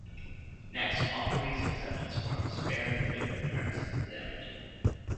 Next, offeree's acceptance forms bearing the different terms is examined.